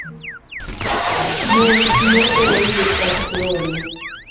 Mos moorni ok romi